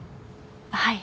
はい。